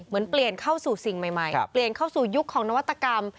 เปลี่ยนเข้าสู่สิ่งใหม่เปลี่ยนเข้าสู่ยุคของนวัตกรรม